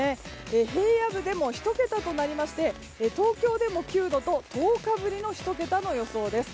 平野部でも１桁となりまして東京でも９度と１０日ぶりの１桁の予想です。